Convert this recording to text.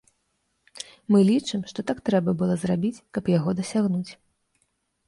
Мы лічым, што так трэба было зрабіць, каб яго дасягнуць.